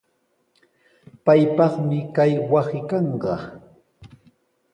Paypaqmi kay wasi kanqa.